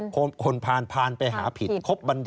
ครบคนผ่านไปหาผิดครบบัณฑิต